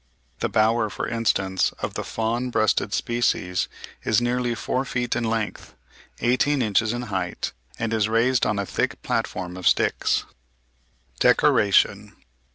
The bower, for instance, of the Fawn breasted species, is nearly four feet in length, eighteen inches in height, and is raised on a thick platform of sticks. DECORATION.